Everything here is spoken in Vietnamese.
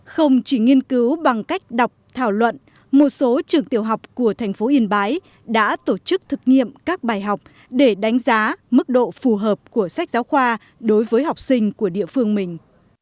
không chỉ nghiên cứu bằng cách đọc thảo luận một số trường tiểu học của thành phố yên bái đã tổ chức thực nghiệm các bài học để đánh giá mức độ phù hợp của sách giáo khoa đối với học sinh của địa phương mình